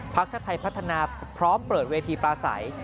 ชาติไทยพัฒนาพร้อมเปิดเวทีปลาใส